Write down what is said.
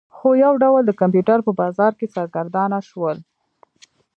خو یو ډول دوی د کمپیوټر په بازار کې سرګردانه شول